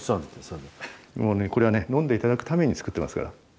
もうねこれはね呑んで頂くために造ってますから。